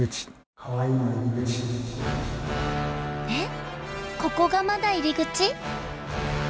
えっここがまだ入口！？